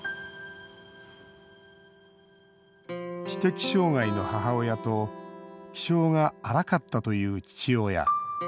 知的障害の母親と気性が荒かったという父親。